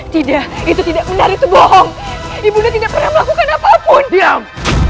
tidak itu tidak benar itu bohong ibunya tidak pernah melakukan apapun diam